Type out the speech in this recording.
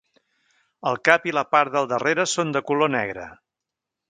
El cap i la part del darrere són de color negre.